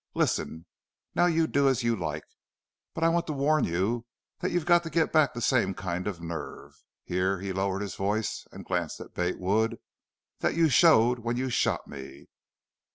Listen! Now you do as you like. But I want to warn you that you've got to get back the same kind of nerve" here he lowered his voice and glanced at Bate Wood "that you showed when you shot me.